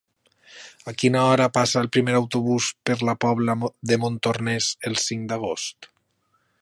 A quina hora passa el primer autobús per la Pobla de Montornès el cinc d'agost?